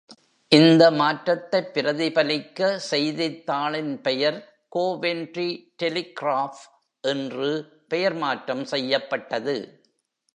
இந்த மாற்றத்தைப் பிரதிபலிக்க, செய்தித்தாளின் பெயர் "கோவென்ட்ரி டெலிகிராப்" என்று பெயர் மாற்றம் செய்யப்பட்டது.